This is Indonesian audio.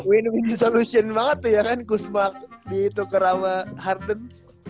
win win solution banget tuh ya kan kusma ditukar rawa harden